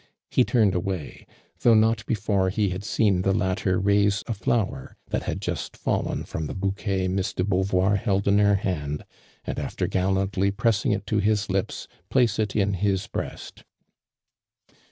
he turned away, thwgh not before he Wi seen the lattei* raipe a tlower that had juat fallen from the lK>uqi^et Miss de Beauvoir held in her hand, and after gallantly pressing it to bis lips, place it in his breaat.